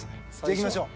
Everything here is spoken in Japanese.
いきましょう。